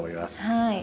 はい。